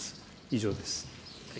以上です。